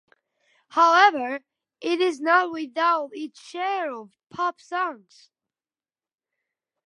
However, it is not without its share of pop songs.